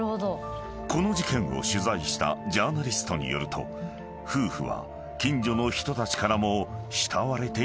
［この事件を取材したジャーナリストによると夫婦は近所の人たちからも慕われていたという］